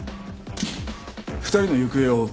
２人の行方を追う。